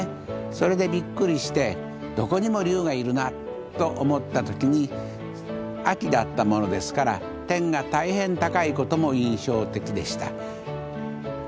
それでびっくりしてどこにも龍がいるなと思った時に秋だったものですから天が大変高いことも印象的でした。